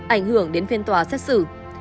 ảnh hưởng đến phiên tòa xét xử